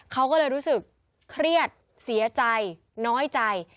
เขาก็เลยรู้สึกเครียดเสียใจน้อยใจ